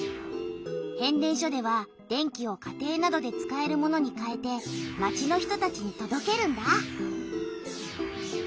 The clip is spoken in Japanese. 変電所では電気を家庭などで使えるものにかえて町の人たちにとどけるんだ。